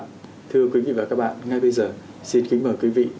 thưa quý vị và các bạn ngay bây giờ xin kính mời quý vị